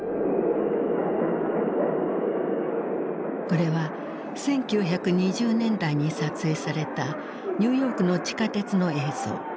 これは１９２０年代に撮影されたニューヨークの地下鉄の映像。